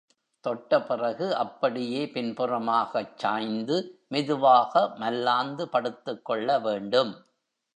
தொட்ட பிறகு அப்படியே பின்புறமாகச் சாய்ந்து மெதுவாக மல்லாந்து படுத்துக் கொள்ள வேண்டும்.